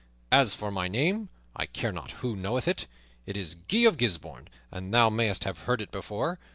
As for my name, I care not who knoweth it. It is Guy of Gisbourne, and thou mayst have heard it before.